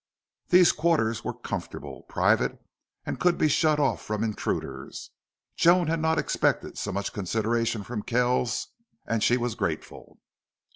These quarters were comfortable, private, and could be shut off from intruders. Joan had not expected so much consideration from Kells and she was grateful.